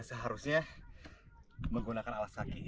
seharusnya menggunakan alas kaki